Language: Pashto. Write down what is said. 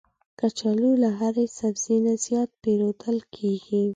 کچالو له هر سبزي نه زیات پېرودل کېږي